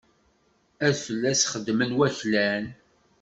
Ad fell-as xedmen waklan.